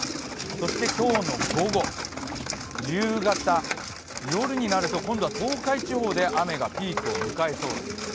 そして今日の午後、夕方、夜になると今度は東海地方で雨がピークを迎えそうです。